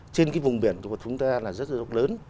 trên cái vùng biển của chúng ta là rất là rộng lớn